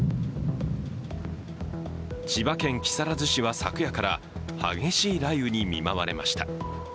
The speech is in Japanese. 千葉県木更津市は昨夜から激しい雷雨に見舞われました。